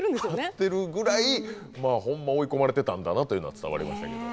貼ってるぐらいまあほんま追い込まれてたんだなというのは伝わりましたけど。